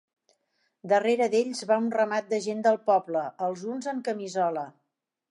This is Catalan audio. Darrere d'ells va un ramat de gent del poble, els uns en camisola.